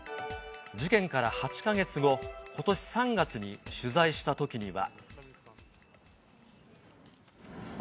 事件から８か月後、ことし３月に取材したときには。